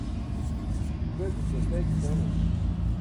guke cum sastayik bicana?